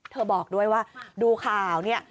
เธอบอกด้วยว่าดูข่าวนี่